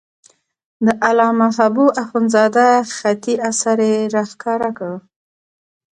د علامه حبو اخندزاده خطي اثر یې را وښکاره کړ.